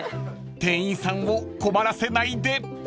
［店員さんを困らせないで！］